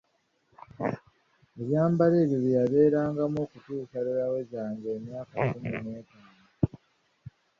Ebyambalo ebyo bye yabeerangamu okutuusa lwe yawezanga emyaka kkumi n'etaano.